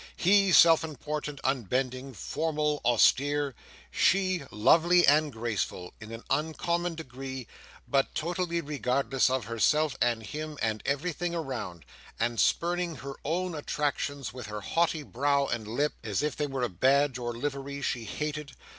He, self important, unbending, formal, austere. She, lovely and graceful, in an uncommon degree, but totally regardless of herself and him and everything around, and spurning her own attractions with her haughty brow and lip, as if they were a badge or livery she hated.